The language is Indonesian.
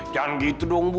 jangan gitu dong bu